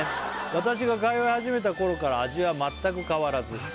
「私が通い始めた頃から味は全く変わらず」